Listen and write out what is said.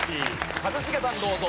一茂さんどうぞ。